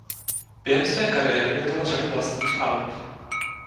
Během své kariéry vydal řadu vlastních alb.